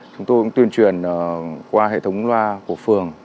chúng tôi cũng tuyên truyền qua hệ thống loa của phường